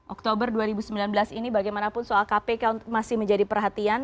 oktober dua ribu sembilan belas ini bagaimanapun soal kpk masih menjadi perhatian